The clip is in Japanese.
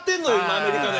アメリカで。